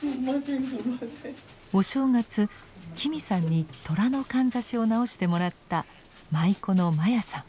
お正月紀美さんに寅のかんざしを直してもらった舞妓の真矢さん。